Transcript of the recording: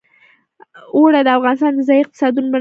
اوړي د افغانستان د ځایي اقتصادونو بنسټ دی.